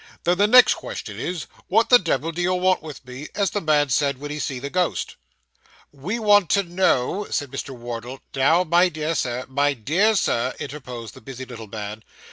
Then the next question is, what the devil do you want with me, as the man said, wen he see the ghost?' 'We want to know ' said Mr. Wardle. 'Now, my dear sir my dear sir,' interposed the busy little man.